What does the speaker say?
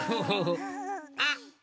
あっ！